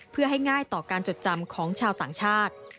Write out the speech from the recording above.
เพื่อให้ง่ายต่อการจดจำของชาวต่างชาติ